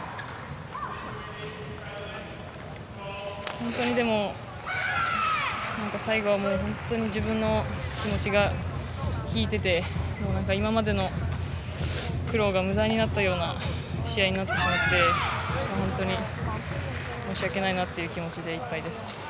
本当にでも最後は自分の気持ちが引いてて、今までの苦労が無駄になったような試合になってしまって本当に申し訳ないなという気持ちでいっぱいです。